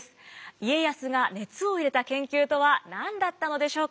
家康が熱を入れた研究とは何だったのでしょうか。